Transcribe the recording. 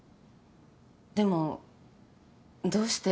でもどうして。